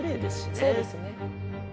そうですね。